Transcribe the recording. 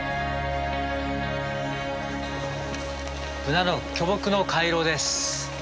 ブナの巨木の回廊です。